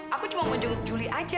aku cuma mau juli aja